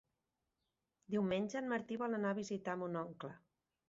Diumenge en Martí vol anar a visitar mon oncle.